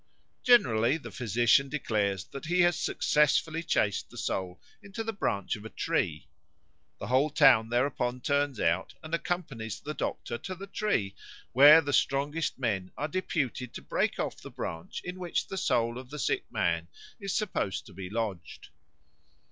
Generally the physician declares that he has successfully chased the soul into the branch of a tree. The whole town thereupon turns out and accompanies the doctor to the tree, where the strongest men are deputed to break off the branch in which the soul of the sick man is supposed to be lodged.